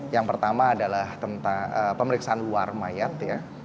yang pertama adalah pemeriksaan luar mayat